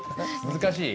難しい？